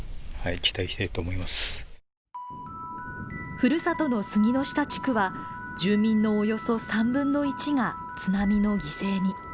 ふるさとの杉ノ下地区は、住民のおよそ３分の１が津波の犠牲に。